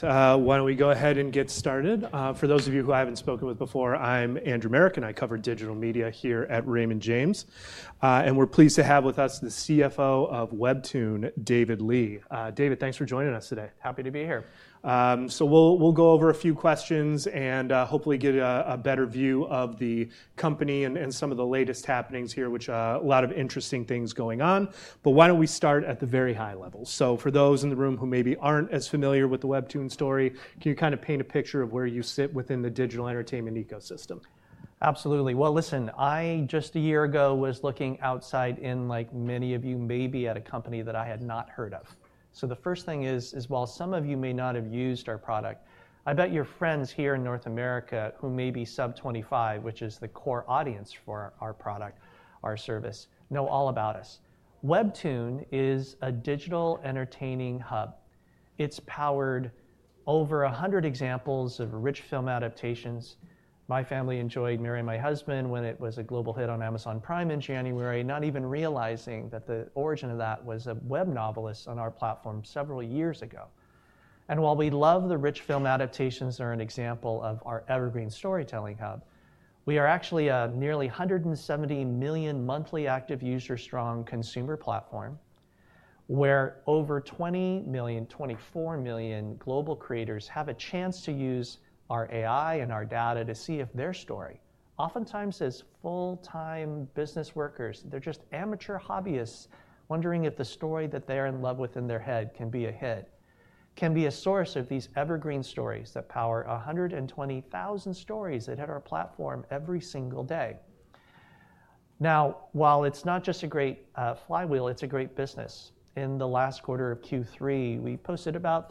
Why don't we go ahead and get started? For those of you who I haven't spoken with before, I'm Andrew Marok, and I cover digital media here at Raymond James. We're pleased to have with us the CFO of WEBTOON, David Lee. David, thanks for joining us today. Happy to be here. We'll go over a few questions and hopefully get a better view of the company and some of the latest happenings here, which a lot of interesting things going on. But why don't we start at the very high level? For those in the room who maybe aren't as familiar with the WEBTOON story, can you kind of paint a picture of where you sit within the digital entertainment ecosystem? Absolutely. Well, listen, I just a year ago was looking outside in, like many of you, maybe at a company that I had not heard of. So the first thing is, while some of you may not have used our product, I bet your friends here in North America who may be sub-25, which is the core audience for our product, our service, know all about us. WEBTOON is a digital entertainment hub. It's powered over 100 examples of rich film adaptations. My family enjoyed "Marry My Husband" when it was a global hit on Amazon Prime in January, not even realizing that the origin of that was a web novelist on our platform several years ago. And while we love the rich film adaptations that are an example of our evergreen storytelling hub, we are actually a nearly 170 million monthly active user strong consumer platform where over 20 million, 24 million global creators have a chance to use our AI and our data to see if their story, oftentimes as full-time business workers, they're just amateur hobbyists wondering if the story that they're in love with in their head can be a hit, can be a source of these evergreen stories that power 120,000 stories that hit our platform every single day. Now, while it's not just a great flywheel, it's a great business. In the last quarter of Q3, we posted about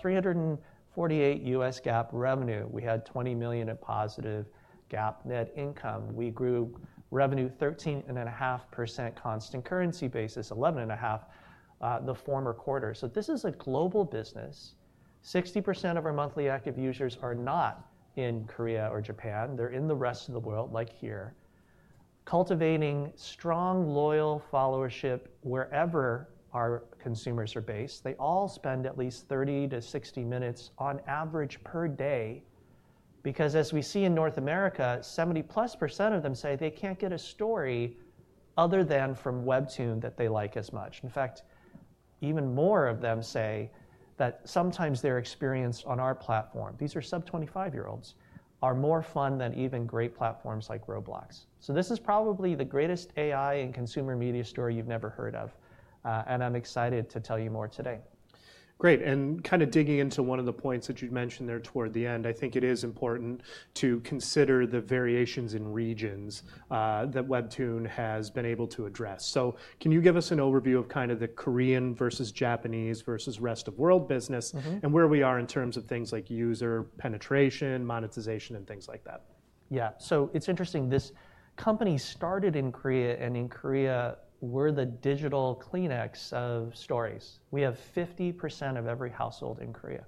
$348 million US GAAP revenue. We had $20 million of positive GAAP net income. We grew revenue 13.5% constant currency basis, 11.5% the former quarter. So this is a global business. 60% of our monthly active users are not in Korea or Japan. They're in the rest of the world, like here, cultivating strong loyal followership wherever our consumers are based. They all spend at least 30-60 minutes on average per day because, as we see in North America, 70% plus of them say they can't get a story other than from WEBTOON that they like as much. In fact, even more of them say that sometimes their experience on our platform, these are sub-25-year-olds, are more fun than even great platforms like Roblox. So this is probably the greatest AI and consumer media story you've never heard of. And I'm excited to tell you more today. Great, and kind of digging into one of the points that you'd mentioned there toward the end, I think it is important to consider the variations in regions that WEBTOON has been able to address. So can you give us an overview of kind of the Korean versus Japanese versus rest of world business and where we are in terms of things like user penetration, monetization, and things like that? Yeah. So it's interesting. This company started in Korea, and in Korea, we're the digital Kleenex of stories. We have 50% of every household in Korea.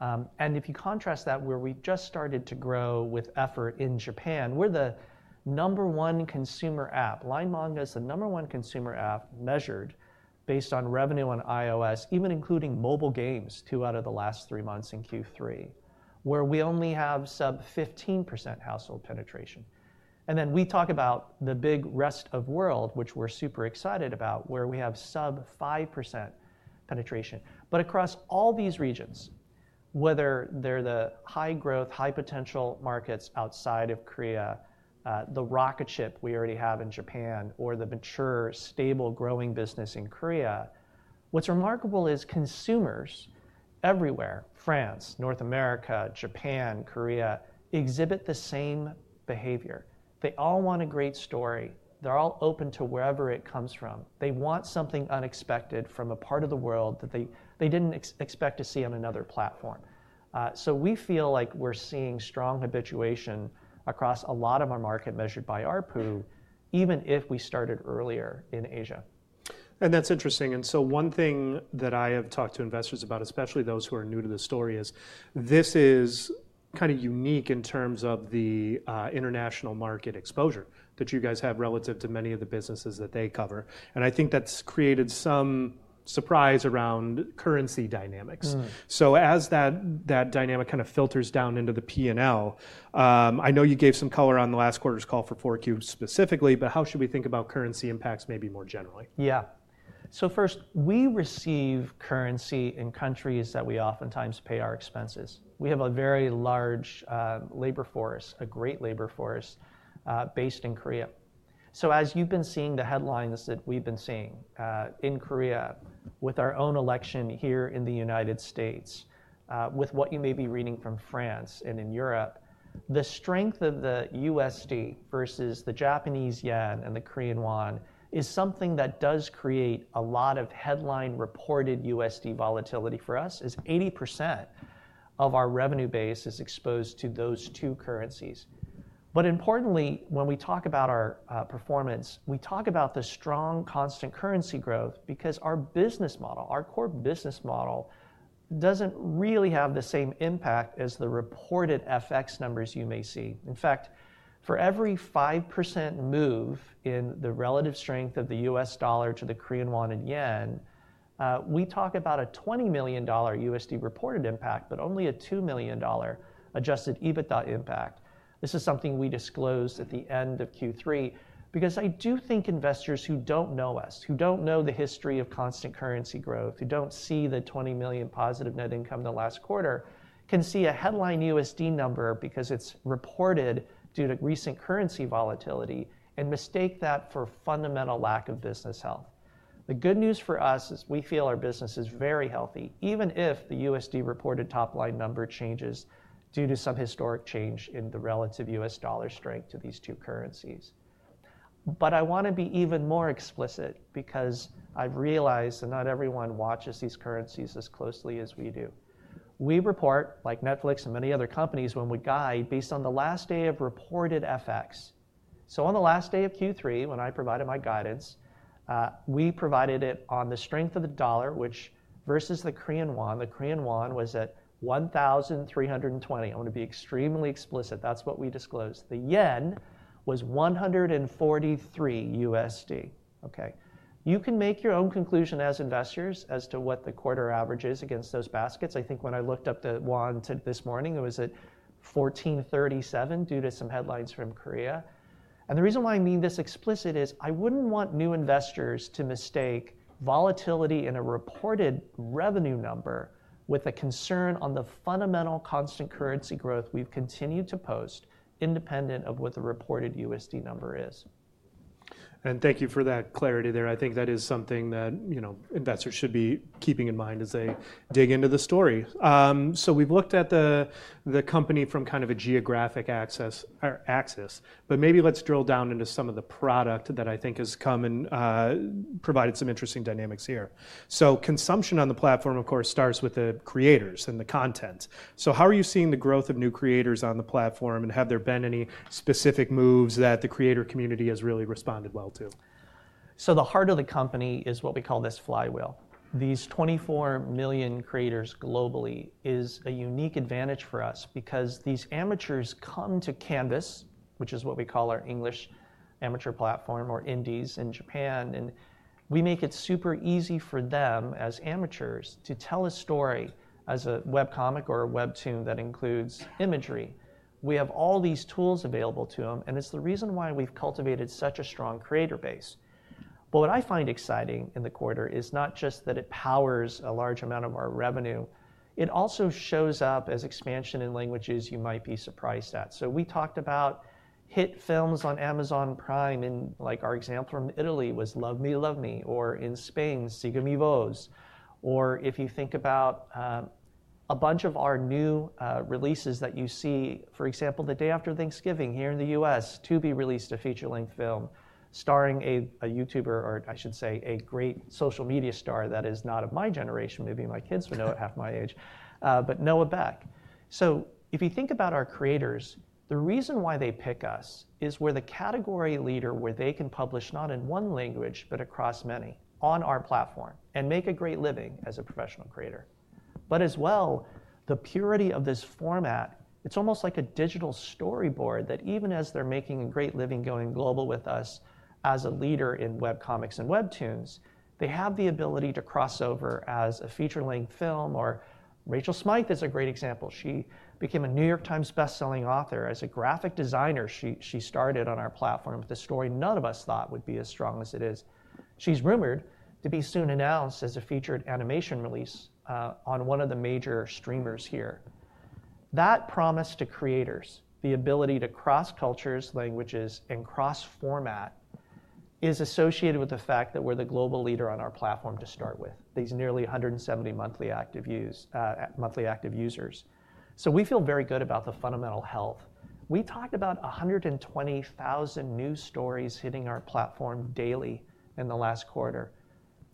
And if you contrast that, where we just started to grow with effort in Japan, we're the number one consumer app. LINE Manga is the number one consumer app measured based on revenue on iOS, even including mobile games two out of the last three months in Q3, where we only have sub 15% household penetration. And then we talk about the big rest of world, which we're super excited about, where we have sub 5% penetration. But across all these regions, whether they're the high growth, high potential markets outside of Korea, the rocket ship we already have in Japan, or the mature, stable growing business in Korea, what's remarkable is consumers everywhere, France, North America, Japan, Korea, exhibit the same behavior. They all want a great story. They're all open to wherever it comes from. They want something unexpected from a part of the world that they didn't expect to see on another platform. So we feel like we're seeing strong habituation across a lot of our market measured by our pool, even if we started earlier in Asia. And that's interesting. And so one thing that I have talked to investors about, especially those who are new to the story, is this is kind of unique in terms of the international market exposure that you guys have relative to many of the businesses that they cover. And I think that's created some surprise around currency dynamics. So as that dynamic kind of filters down into the P&L, I know you gave some color on the last quarter's call for Q4 specifically, but how should we think about currency impacts maybe more generally? Yeah. So first, we receive currency in countries that we oftentimes pay our expenses. We have a very large labor force, a great labor force based in Korea. So as you've been seeing the headlines that we've been seeing in Korea with our own election here in the United States, with what you may be reading from France and in Europe, the strength of the USD versus the Japanese yen and the Korean won is something that does create a lot of headline reported USD volatility for us, as 80% of our revenue base is exposed to those two currencies. But importantly, when we talk about our performance, we talk about the strong constant currency growth because our business model, our core business model, doesn't really have the same impact as the reported FX numbers you may see. In fact, for every 5% move in the relative strength of the U.S. dollar to the Korean won and yen, we talk about a $20 million USD reported impact, but only a $2 million Adjusted EBITDA impact. This is something we disclosed at the end of Q3 because I do think investors who don't know us, who don't know the history of constant currency growth, who don't see the $20 million positive net income the last quarter, can see a headline USD number because it's reported due to recent currency volatility and mistake that for fundamental lack of business health. The good news for us is we feel our business is very healthy, even if the USD reported top line number changes due to some historic change in the relative U.S. dollar strength to these two currencies. But I want to be even more explicit because I've realized that not everyone watches these currencies as closely as we do. We report like Netflix and many other companies when we guide based on the last day of reported FX. So on the last day of Q3, when I provided my guidance, we provided it on the strength of the dollar, which versus the Korean won, the Korean won was at 1,320. I want to be extremely explicit. That's what we disclosed. The yen was 143 USD. Okay. You can make your own conclusion as investors as to what the quarter average is against those baskets. I think when I looked up the won this morning, it was at 1,437 due to some headlines from Korea. The reason why I mean this explicitly is I wouldn't want new investors to mistake volatility in a reported revenue number with a concern on the fundamental constant currency growth we've continued to post independent of what the reported USD number is. Thank you for that clarity there. I think that is something that investors should be keeping in mind as they dig into the story. We've looked at the company from kind of a geographic aspects, but maybe let's drill down into some of the products that I think has come and provided some interesting dynamics here. Consumption on the platform, of course, starts with the creators and the content. How are you seeing the growth of new creators on the platform, and have there been any specific moves that the creator community has really responded well to? So the heart of the company is what we call this flywheel. These 24 million creators globally is a unique advantage for us because these amateurs come to Canvas, which is what we call our English amateur platform or Indies in Japan. And we make it super easy for them as amateurs to tell a story as a webcomic or a WEBTOON that includes imagery. We have all these tools available to them, and it's the reason why we've cultivated such a strong creator base. But what I find exciting in the quarter is not just that it powers a large amount of our revenue, it also shows up as expansion in languages you might be surprised at. We talked about hit films on Amazon Prime, and like our example from Italy was "Love Me, Love Me," or in Spain, "Sigue mi voz." If you think about a bunch of our new releases that you see, for example, the day after Thanksgiving here in the U.S., Tubi released a feature-length film starring a YouTuber, or I should say a great social media star that is not of my generation, maybe my kids would know at half my age, but Noah Beck. If you think about our creators, the reason why they pick us is we're the category leader where they can publish not in one language, but across many on our platform and make a great living as a professional creator. As well, the purity of this format. It's almost like a digital storyboard that even as they're making a great living going global with us as a leader in webcomics and WEBTOON, they have the ability to cross over as a feature-length film, or Rachel Smythe is a great example. She became a New York Times bestselling author. As a graphic designer, she started on our platform with a story none of us thought would be as strong as it is. She's rumored to be soon announced as a featured animation release on one of the major streamers here. That promise to creators, the ability to cross cultures, languages, and cross format is associated with the fact that we're the global leader on our platform to start with, these nearly 170 monthly active users, so we feel very good about the fundamental health. We talked about 120,000 new stories hitting our platform daily in the last quarter.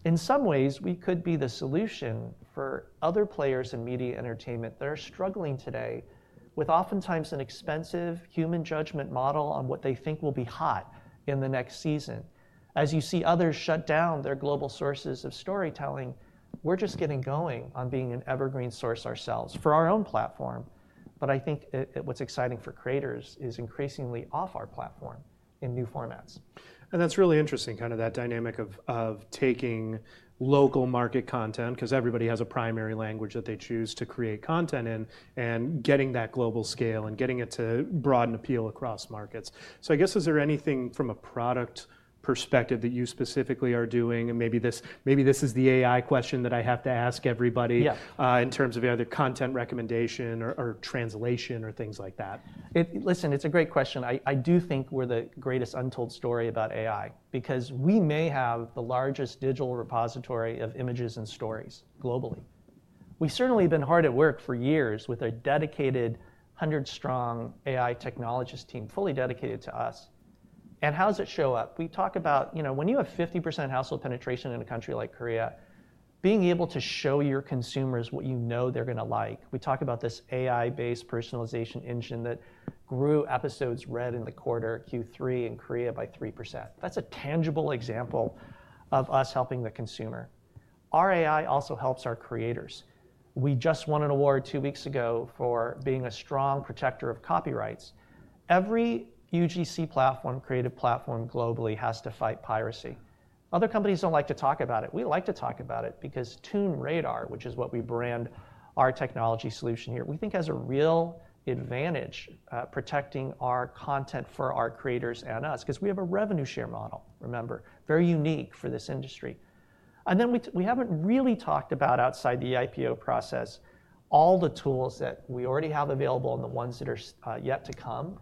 In some ways, we could be the solution for other players in media entertainment that are struggling today with oftentimes an expensive human judgment model on what they think will be hot in the next season. As you see others shut down their global sources of storytelling, we're just getting going on being an evergreen source ourselves for our own platform. But I think what's exciting for creators is increasingly off our platform in new formats. That's really interesting, kind of that dynamic of taking local market content because everybody has a primary language that they choose to create content in and getting that global scale and getting it to broaden appeal across markets. I guess, is there anything from a product perspective that you specifically are doing? Maybe this is the AI question that I have to ask everybody in terms of either content recommendation or translation or things like that. Listen, it's a great question. I do think we're the greatest untold story about AI because we may have the largest digital repository of images and stories globally. We've certainly been hard at work for years with a dedicated hundred-strong AI technologist team fully dedicated to us. And how does it show up? We talk about when you have 50% household penetration in a country like Korea, being able to show your consumers what you know they're going to like. We talk about this AI-based personalization engine that grew episodes read in the quarter Q3 in Korea by 3%. That's a tangible example of us helping the consumer. Our AI also helps our creators. We just won an award two weeks ago for being a strong protector of copyrights. Every UGC platform, creative platform globally has to fight piracy. Other companies don't like to talk about it. We like to talk about it because Toon Radar, which is what we brand our technology solution here, we think has a real advantage protecting our content for our creators and us because we have a revenue share model, remember, very unique for this industry. And then we haven't really talked about outside the IPO process, all the tools that we already have available and the ones that are yet to come.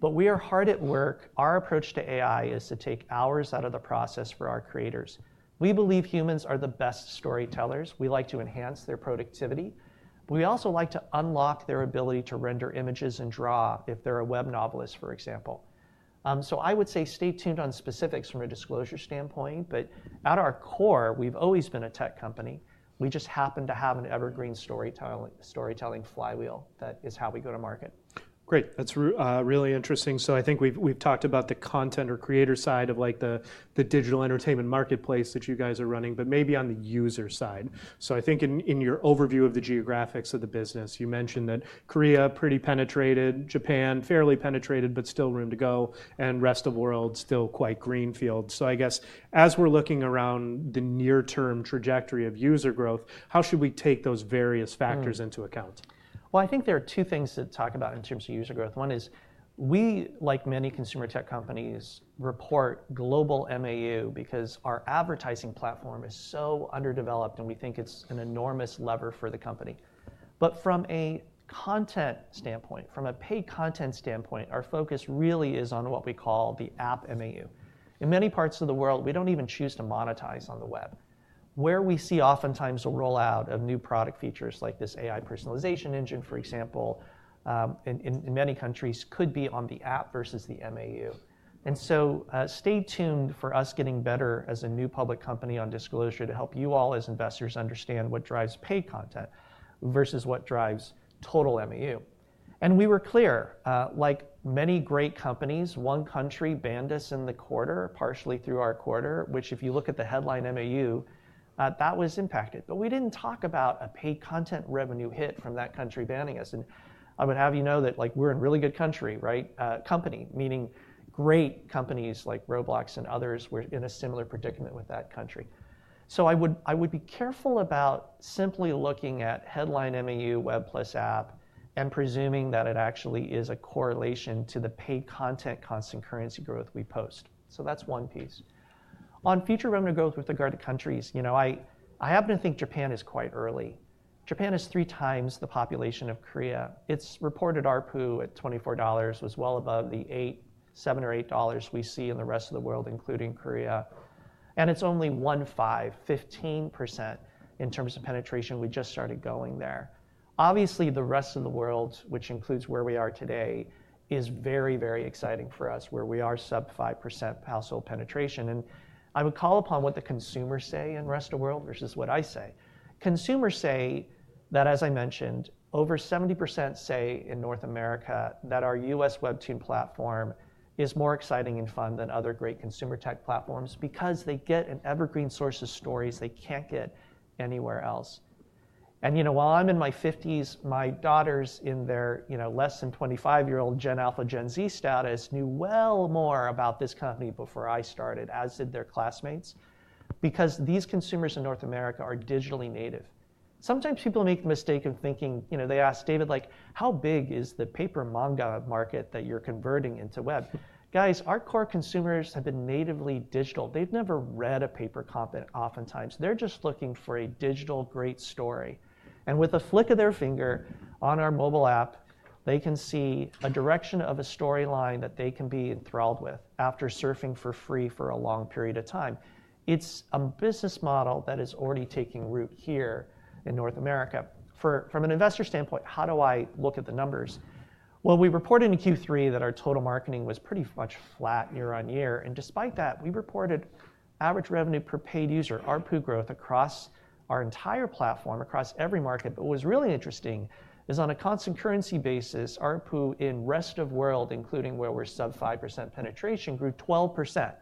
But we are hard at work. Our approach to AI is to take hours out of the process for our creators. We believe humans are the best storytellers. We like to enhance their productivity. We also like to unlock their ability to render images and draw if they're a web novelist, for example. So I would say stay tuned on specifics from a disclosure standpoint. But at our core, we've always been a tech company. We just happen to have an evergreen storytelling flywheel that is how we go to market. Great. That's really interesting. So I think we've talked about the content or creator side of the digital entertainment marketplace that you guys are running, but maybe on the user side. So I think in your overview of the geographics of the business, you mentioned that Korea pretty penetrated, Japan fairly penetrated, but still room to go, and rest of the world still quite greenfield. So I guess as we're looking around the near-term trajectory of user growth, how should we take those various factors into account? I think there are two things to talk about in terms of user growth. One is we, like many consumer tech companies, report global MAU because our advertising platform is so underdeveloped and we think it's an enormous lever for the company. But from a content standpoint, from a paid content standpoint, our focus really is on what we call the app MAU. In many parts of the world, we don't even choose to monetize on the web. Where we see oftentimes a rollout of new product features like this AI personalization engine, for example, in many countries could be on the app versus the MAU. And so stay tuned for us getting better as a new public company on disclosure to help you all as investors understand what drives paid content versus what drives total MAU. We were clear, like many great companies, one country banned us in the quarter, partially through our quarter, which if you look at the headline MAU, that was impacted. We didn't talk about a paid content revenue hit from that country banning us. I would have you know that we're in really good company, right? Company, meaning great companies like Roblox and others, we're in a similar predicament with that country. I would be careful about simply looking at headline MAU, web plus app, and presuming that it actually is a correlation to the paid content constant currency growth we post. That's one piece. On future revenue growth with regard to countries, I happen to think Japan is quite early. Japan is three times the population of Korea. It's reported RPU at $24 was well above the $8, $7, or $8 we see in the rest of the world, including Korea. It's only 1.5%-15% in terms of penetration. We just started going there. Obviously, the rest of the world, which includes where we are today, is very, very exciting for us where we are sub-5% household penetration. I would call upon what the consumers say in the rest of the world versus what I say. Consumers say that, as I mentioned, over 70% say in North America that our U.S. WEBTOON platform is more exciting and fun than other great consumer tech platforms because they get an evergreen source of stories they can't get anywhere else. While I'm in my 50s, my daughters in their less than 25-year-old Gen Alpha Gen Z status knew well more about this company before I started, as did their classmates, because these consumers in North America are digitally native. Sometimes people make the mistake of thinking. They ask David, like, how big is the paper manga market that you're converting into web? Guys, our core consumers have been natively digital. They've never read a paper comic oftentimes. They're just looking for a digital great story. And with a flick of their finger on our mobile app, they can see a direction of a storyline that they can be enthralled with after surfing for free for a long period of time. It's a business model that is already taking root here in North America. From an investor standpoint, how do I look at the numbers? We reported in Q3 that our total marketing was pretty much flat year on year. And despite that, we reported average revenue per paid user, RPU growth across our entire platform, across every market. But what was really interesting is on a constant currency basis, RPU in rest of world, including where we're sub 5% penetration, grew 12%.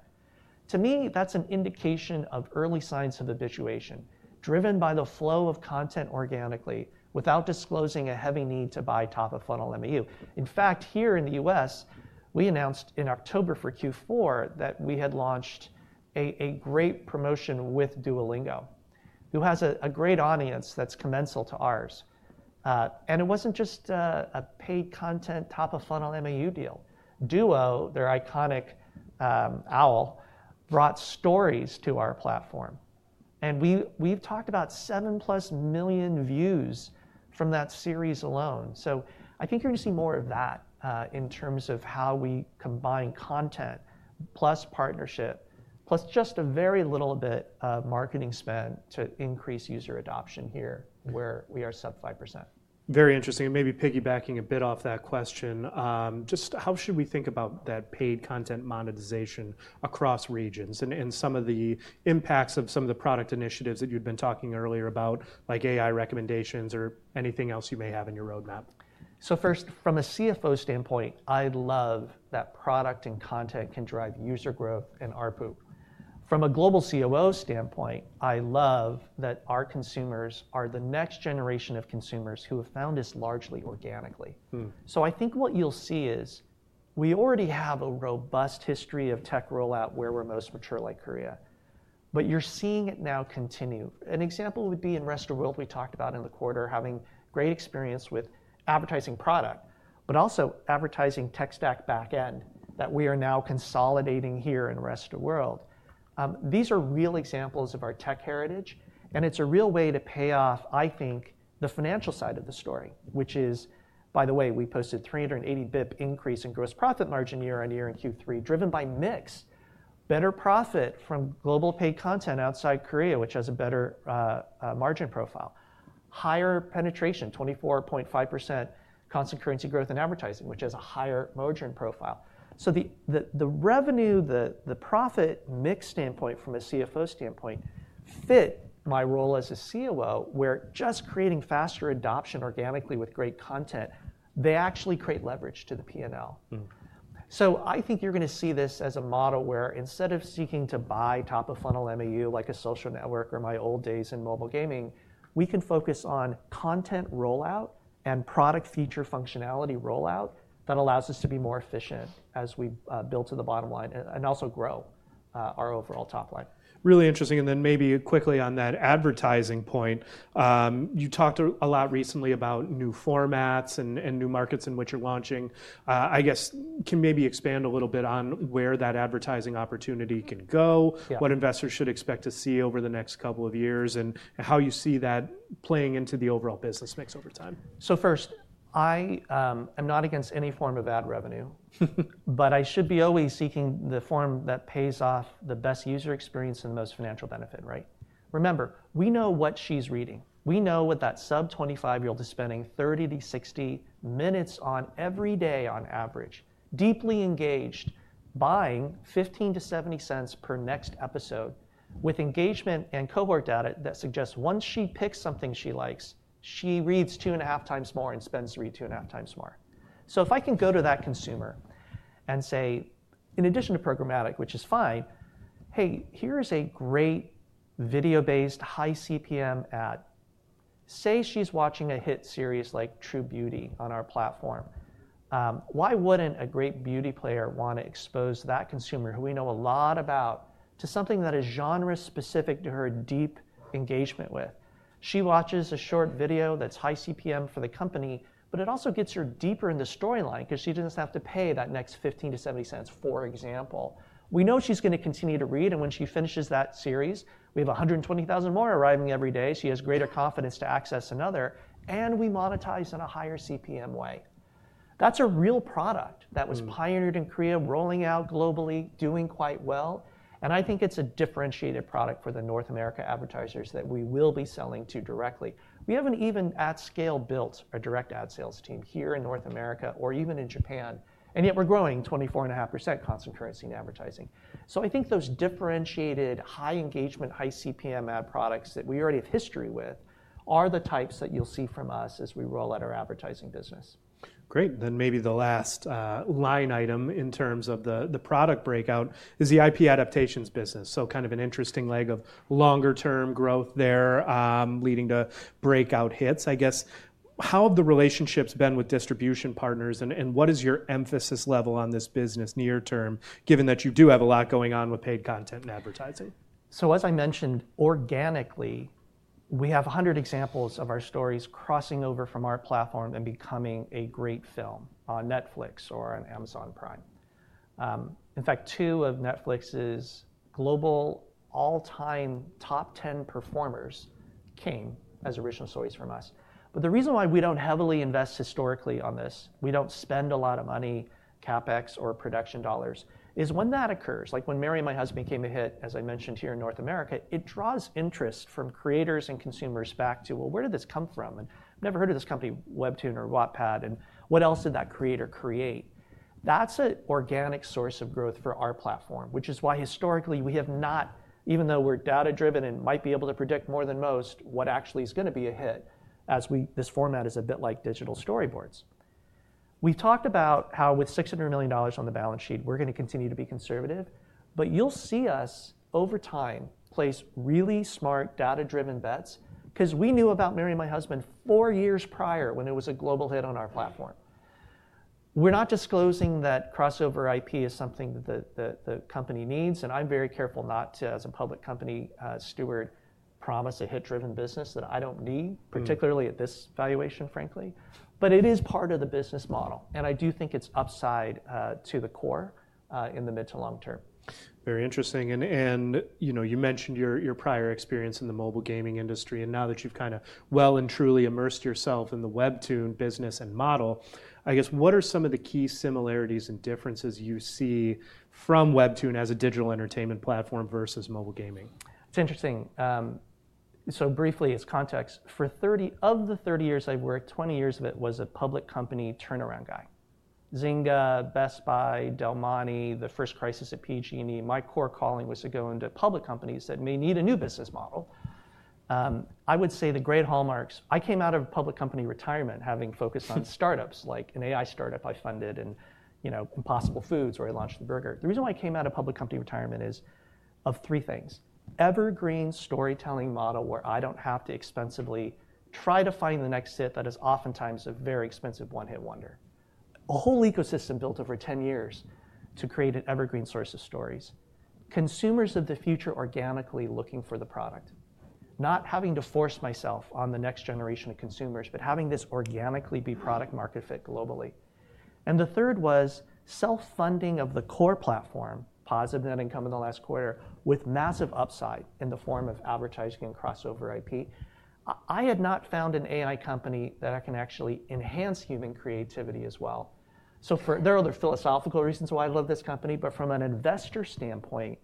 To me, that's an indication of early signs of habituation driven by the flow of content organically without disclosing a heavy need to buy top of funnel MAU. In fact, here in the U.S., we announced in October for Q4 that we had launched a great promotion with Duolingo, who has a great audience that's complementary to ours. And it wasn't just a paid content top of funnel MAU deal. Duo, their iconic owl, brought stories to our platform. And we've talked about 7-plus million views from that series alone. So I think you're going to see more of that in terms of how we combine content plus partnership plus just a very little bit of marketing spend to increase user adoption here where we are sub 5%. Very interesting. And maybe piggybacking a bit off that question, just how should we think about that paid content monetization across regions and some of the impacts of some of the product initiatives that you'd been talking earlier about, like AI recommendations or anything else you may have in your roadmap? So first, from a CFO standpoint, I love that product and content can drive user growth and RPU. From a global COO standpoint, I love that our consumers are the next generation of consumers who have found this largely organically. So I think what you'll see is we already have a robust history of tech rollout where we're most mature, like Korea. But you're seeing it now continue. An example would be in rest of the world we talked about in the quarter, having great experience with advertising product, but also advertising tech stack backend that we are now consolidating here in rest of the world. These are real examples of our tech heritage. It's a real way to pay off, I think, the financial side of the story, which is, by the way, we posted 380 basis points increase in gross profit margin year on year in Q3, driven by mix better profit from global paid content outside Korea, which has a better margin profile, higher penetration, 24.5% constant currency growth in advertising, which has a higher margin profile. So the revenue, the profit mix standpoint from a CFO standpoint fit my role as a COO, where just creating faster adoption organically with great content, they actually create leverage to the P&L. So I think you're going to see this as a model where instead of seeking to buy top of funnel MAU, like a social network or my old days in mobile gaming, we can focus on content rollout and product feature functionality rollout that allows us to be more efficient as we build to the bottom line and also grow our overall top line. Really interesting. And then maybe quickly on that advertising point, you talked a lot recently about new formats and new markets in which you're launching. I guess can maybe expand a little bit on where that advertising opportunity can go, what investors should expect to see over the next couple of years, and how you see that playing into the overall business mix over time? So first, I am not against any form of ad revenue, but I should be always seeking the form that pays off the best user experience and the most financial benefit, right? Remember, we know what she's reading. We know what that sub-25-year-old is spending 30-60 minutes on every day on average, deeply engaged, buying $0.15-$0.70 per next episode with engagement and cohort data that suggests once she picks something she likes, she reads two and a half times more and spends three two and a half times more. So if I can go to that consumer and say, in addition to programmatic, which is fine, hey, here's a great video-based high CPM ad. Say she's watching a hit series like True Beauty on our platform. Why wouldn't a great beauty player want to expose that consumer who we know a lot about to something that is genre-specific to her deep engagement with? She watches a short video that's high CPM for the company, but it also gets her deeper in the storyline because she doesn't have to pay that next $0.15-$0.70, for example. We know she's going to continue to read. And when she finishes that series, we have 120,000 more arriving every day. She has greater confidence to access another. And we monetize in a higher CPM way. That's a real product that was pioneered in Korea, rolling out globally, doing quite well. And I think it's a differentiated product for the North America advertisers that we will be selling to directly. We haven't even at scale built a direct ad sales team here in North America or even in Japan. And yet we're growing 24.5% constant currency in advertising. So I think those differentiated high engagement, high CPM ad products that we already have history with are the types that you'll see from us as we roll out our advertising business. Great, then maybe the last line item in terms of the product breakout is the IP adaptations business, so kind of an interesting leg of longer-term growth there leading to breakout hits. I guess how have the relationships been with distribution partners and what is your emphasis level on this business near-term, given that you do have a lot going on with paid content and advertising? As I mentioned, organically, we have 100 examples of our stories crossing over from our platform and becoming a great film on Netflix or on Amazon Prime. In fact, two of Netflix's global all-time top 10 performers came as original stories from us, but the reason why we don't heavily invest historically on this, we don't spend a lot of money, CapEx or production dollars, is when that occurs. Like when Marry My Husband became a hit, as I mentioned here in North America, it draws interest from creators and consumers back to, well, where did this come from, and I've never heard of this company, WEBTOON or Wattpad, and what else did that creator create? That's an organic source of growth for our platform, which is why historically we have not, even though we're data-driven and might be able to predict more than most what actually is going to be a hit, as this format is a bit like digital storyboards. We've talked about how with $600 million on the balance sheet, we're going to continue to be conservative. But you'll see us over time place really smart data-driven bets because we knew about Marry My Husband four years prior when it was a global hit on our platform. We're not disclosing that crossover IP is something that the company needs. And I'm very careful not to, as a public company steward, promise a hit-driven business that I don't need, particularly at this valuation, frankly. But it is part of the business model. I do think it's upside to the core in the mid to long term. Very interesting. And you mentioned your prior experience in the mobile gaming industry. And now that you've kind of well and truly immersed yourself in the WEBTOON business and model, I guess what are some of the key similarities and differences you see from WEBTOON as a digital entertainment platform versus mobile gaming? It's interesting. So briefly, as context, for 30 of the 30 years I worked, 20 years of it was a public company turnaround guy. Zynga, Best Buy, Del Monte, the first crisis at PG&E, my core calling was to go into public companies that may need a new business model. I would say the great hallmarks, I came out of public company retirement having focused on startups, like an AI startup I funded and Impossible Foods, where I launched the burger. The reason why I came out of public company retirement is of three things. Evergreen storytelling model where I don't have to expensively try to find the next hit that is oftentimes a very expensive one-hit wonder. A whole ecosystem built over 10 years to create an evergreen source of stories. Consumers of the future organically looking for the product, not having to force myself on the next generation of consumers, but having this organically be product market fit globally, and the third was self-funding of the core platform, positive net income in the last quarter with massive upside in the form of advertising and crossover IP. I had not found an AI company that I can actually enhance human creativity as well, so there are other philosophical reasons why I love this company, but from an investor standpoint,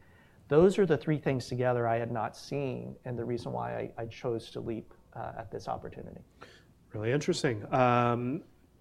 those are the three things together I had not seen and the reason why I chose to leap at this opportunity. Really interesting.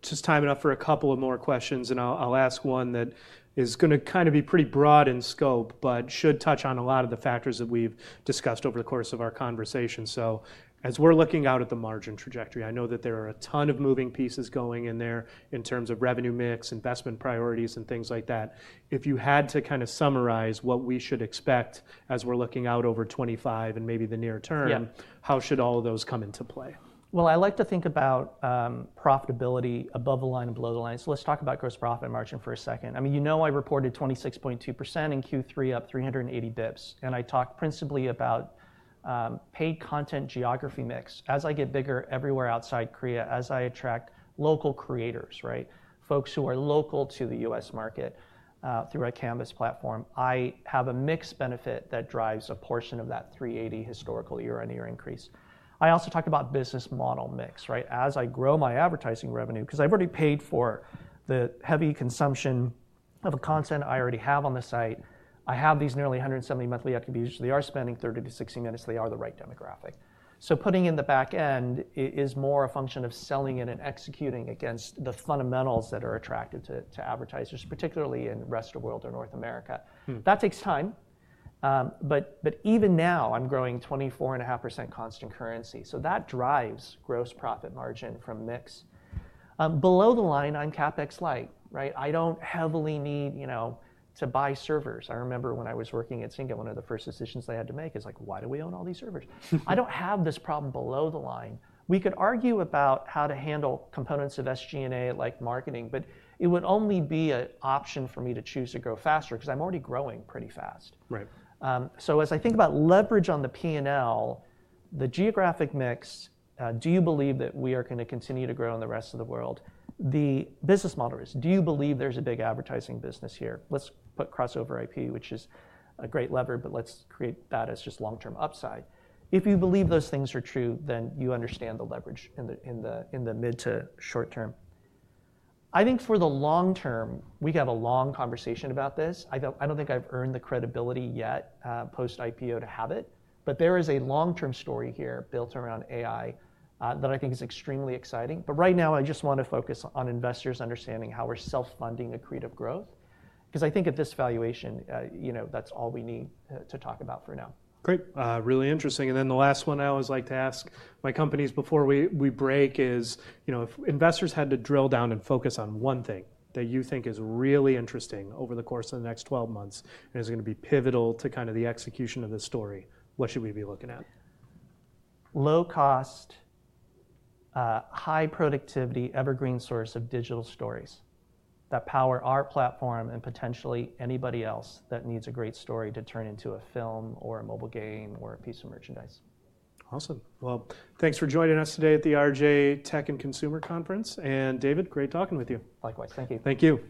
Just time enough for a couple of more questions. And I'll ask one that is going to kind of be pretty broad in scope, but should touch on a lot of the factors that we've discussed over the course of our conversation. So as we're looking out at the margin trajectory, I know that there are a ton of moving pieces going in there in terms of revenue mix, investment priorities, and things like that. If you had to kind of summarize what we should expect as we're looking out over 2025 and maybe the near term, how should all of those come into play? I like to think about profitability above the line and below the line. Let's talk about gross profit margin for a second. I mean, you know I reported 26.2% in Q3, up 380 basis points. I talked principally about paid content geography mix. As I get bigger everywhere outside Korea, as I attract local creators, folks who are local to the U.S. market through our Canvas platform, I have a mix benefit that drives a portion of that 380 basis points historical year-on-year increase. I also talk about business model mix, as I grow my advertising revenue, because I've already paid for the heavy consumption of a content I already have on the site. I have these nearly 170 monthly active users. They are spending 30 to 60 minutes. They are the right demographic. Putting in the back end is more a function of selling it and executing against the fundamentals that are attractive to advertisers, particularly in rest of world or North America. That takes time. But even now, I'm growing 24.5% constant currency. So that drives gross profit margin from mix. Below the line, I'm CapEx light. I don't heavily need to buy servers. I remember when I was working at Zynga, one of the first decisions they had to make is like, why do we own all these servers? I don't have this problem below the line. We could argue about how to handle components of SG&A like marketing, but it would only be an option for me to choose to grow faster because I'm already growing pretty fast. So as I think about leverage on the P&L, the geographic mix, do you believe that we are going to continue to grow in the rest of the world? The business model is, do you believe there's a big advertising business here? Let's put crossover IP, which is a great lever, but let's create that as just long-term upside. If you believe those things are true, then you understand the leverage in the mid to short term. I think for the long term, we have a long conversation about this. I don't think I've earned the credibility yet post IPO to have it. But there is a long-term story here built around AI that I think is extremely exciting. But right now, I just want to focus on investors understanding how we're self-funding accretive growth because I think at this valuation, that's all we need to talk about for now. Great. Really interesting. And then the last one I always like to ask my companies before we break is if investors had to drill down and focus on one thing that you think is really interesting over the course of the next 12 months and is going to be pivotal to kind of the execution of this story, what should we be looking at? Low cost, high productivity, evergreen source of digital stories that power our platform and potentially anybody else that needs a great story to turn into a film or a mobile game or a piece of merchandise. Awesome. Well, thanks for joining us today at the Raymond James Tech and Consumer Conference. And David, great talking with you. Likewise. Thank you. Thank you.